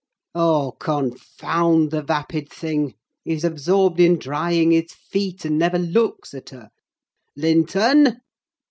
Oh, confound the vapid thing! He's absorbed in drying his feet, and never looks at her.—Linton!"